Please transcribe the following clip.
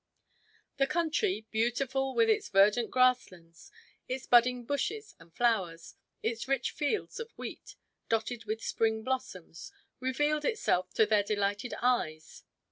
The country, beautiful with its verdant grasslands, its budding bushes and flowers, its rich fields of wheat, dotted with spring blossoms, revealed itself to their delighted eyes.